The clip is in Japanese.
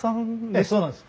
ええそうなんです。